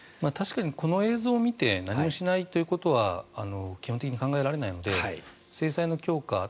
確かにこの映像を見て何もしないということは基本的に考えられないので制裁の強化